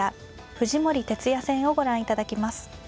藤森哲也戦をご覧いただきます。